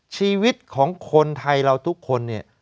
ชีวิตของคนไทยเราทุกคนเนี่ย